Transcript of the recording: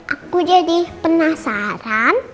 aku jadi penasaran